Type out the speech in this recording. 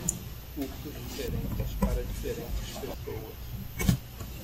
Cursos diferentes para diferentes pessoas.